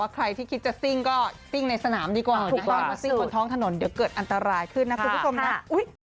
ว่าใครที่คิดจะซึ่งก็ติดในสนามดีกว่าเที่ยวเป็นท้องถนนเดี๋ยวเกิดอันตรายขึ้นนะพบภาพ